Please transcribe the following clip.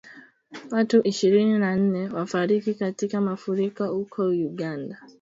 Watu ishirini na nne wafariki katika mafuriko huko Uganda.